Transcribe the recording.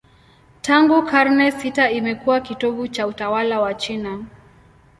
Tangu karne sita imekuwa kitovu cha utawala wa China.